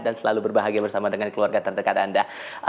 dan selalu berbahagia bersama dengan keluarga terdekat anda